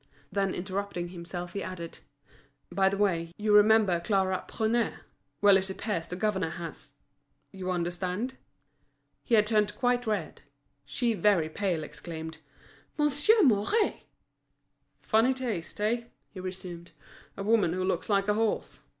Then, interrupting himself, he added: "By the way, you remember Clara Prunaire? Well, it appears the governor has—You understand?" He had turned quite red. She, very pale, exclaimed: "Monsieur Mouret!" "Funny taste—eh?" he resumed. "A woman who looks like a horse.